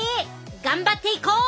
頑張っていこう！